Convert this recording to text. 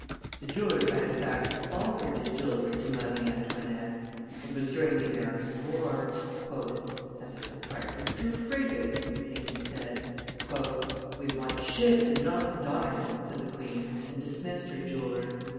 The jewellers had, in fact, offered this jewelry to Marie Antoinette; it was during the American war. "That is the price of two frigates," the king had said. "We want ships and not diamonds," said the queen, and dismissed her jeweller.